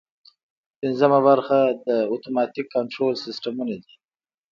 پنځمه برخه د اتوماتیک کنټرول سیسټمونه دي.